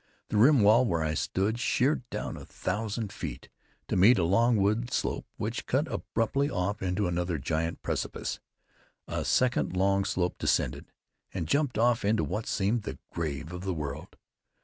The rim wall where I stood sheered down a thousand feet, to meet a long wooded slope which cut abruptly off into another giant precipice; a second long slope descended, and jumped off into what seemed the grave of the world.